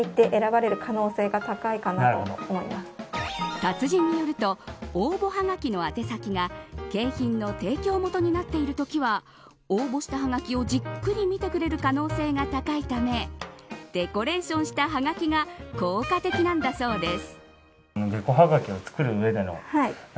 達人によると応募はがきのあて先が景品の提供元になっているときは応募したはがきをじっくり見てくれる可能性が高いためデコレーションしたはがきが効果的なんだそうです。